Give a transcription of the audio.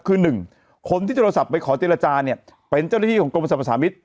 คือหนึ่งคนที่โทรศัพท์ไปขอเจรจาเนี่ยเป็นเจ้าหน้าที่ของกรมสรรพสามิตร